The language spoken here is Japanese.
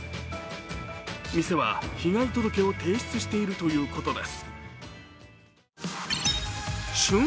店は被害届を提出しているということです。